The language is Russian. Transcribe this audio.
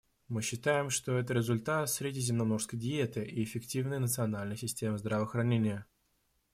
Мы считаем, что это результат средиземноморской диеты и эффективной национальной системы здравоохранения.